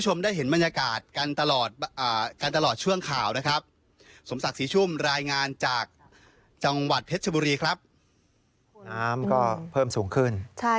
จังหวัดเพชรบุรีครับน้ำก็เพิ่มสูงขึ้นใช่